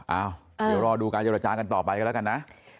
เดี๋ยวรอดูการเจรจากันต่อไปกันแล้วกันนะ